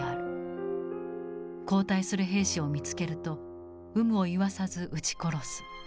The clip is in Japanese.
後退する兵士を見つけると有無を言わさず撃ち殺す。